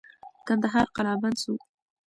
کندهار قلابند سو.